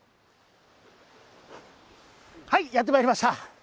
はい、やってまいりました。